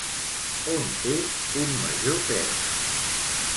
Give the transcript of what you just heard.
On té un major pes?